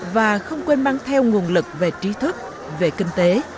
và không quên mang theo nguồn lực về trí thức về kinh tế